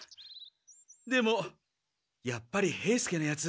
でもやっぱり兵助のヤツ